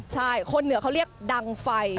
ใช่คนเหนือเขาเรียกดังไฟ